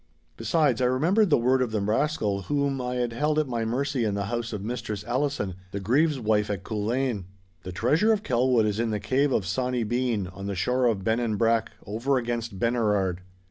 Besides, I remembered the word of the rascal whom I had held at my mercy in the house of Mistress Allison, the Grieve's wife at Culzean. 'The treasure of Kelwood is in the cave of Sawny Bean on the shore of Bennanbrack over against Benerard.